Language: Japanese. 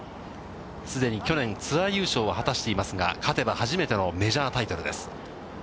すでに去年、ツアー優勝を果たしていますが、勝てば初めてのメジャータイトルです。